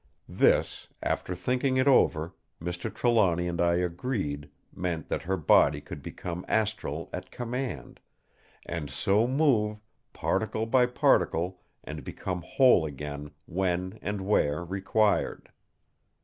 This, after thinking it over, Mr. Trelawny and I agreed meant that her body could become astral at command, and so move, particle by particle, and become whole again when and where required.